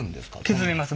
削れます。